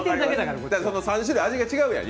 ３種類味が違うやん。